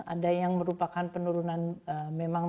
ada yang merupakan penurunan memang